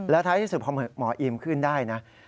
ท้ายที่สุดพอหมออีมขึ้นได้นะ